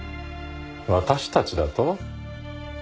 私たちだと？